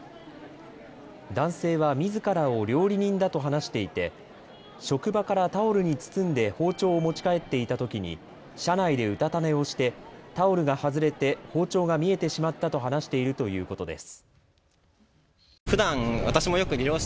男性はみずからを料理人だと話していて職場からタオルに包んで包丁を持ち帰っていたときに車内でうたた寝をしてタオルが外れて包丁が見えてしまったと話しているということです。